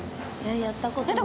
やったことない？